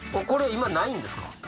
これ今ないんですか？